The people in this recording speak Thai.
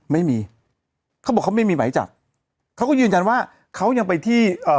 ไม่มีเขาบอกเขาไม่มีหมายจับเขาก็ยืนยันว่าเขายังไปที่เอ่อ